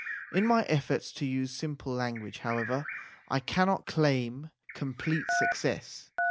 In my efforts to use simple language, however, I cannot claim complete success.